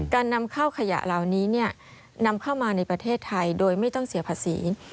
การนำเข้าขยะเหล่านี้นำเข้ามาในประเทศไทยโดยไม่ต้องเสียภาษี